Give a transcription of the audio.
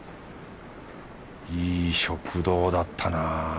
いい食堂だったな。